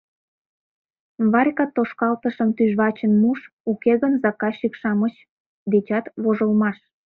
— Варька, тошкалтышым тӱжвачын муш, уке гын заказчик-шамыч дечат вожылмаш!